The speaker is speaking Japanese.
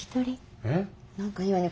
何かいいわね